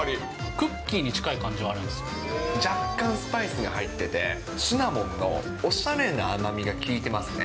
クッキーに近い感じはあるん若干、スパイスが入ってて、シナモンのおしゃれな甘みが効いてますね。